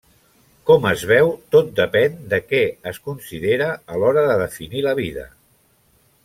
Com es veu tot depèn de què es considera a l'hora de definir la vida.